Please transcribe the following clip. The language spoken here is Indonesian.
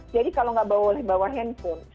jadi kalau tidak boleh bawa handphone